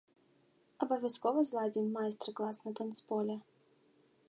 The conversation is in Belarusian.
Абавязкова зладзім майстар-клас на танцполе.